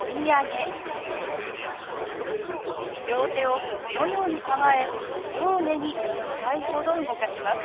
両手をこのように構え上下に２回ほど動かします。